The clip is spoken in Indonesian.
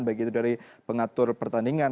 baik itu dari pengatur pertandingan